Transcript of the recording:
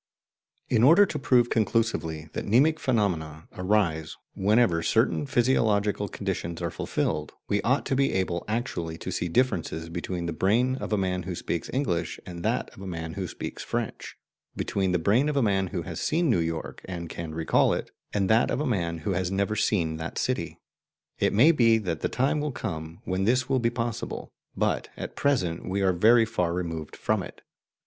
In order to prove conclusively that mnemic phenomena arise whenever certain physiological conditions are fulfilled, we ought to be able actually to see differences between the brain of a man who speaks English and that of a man who speaks French, between the brain of a man who has seen New York and can recall it, and that of a man who has never seen that city. It may be that the time will come when this will be possible, but at present we are very far removed from it.